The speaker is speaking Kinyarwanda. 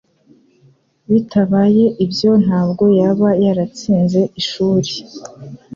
bitabaye ibyo, ntabwo yaba yaratsinze ishuri.